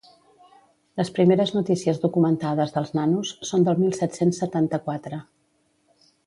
Les primeres notícies documentades dels nanos són del mil set-cents setanta-quatre.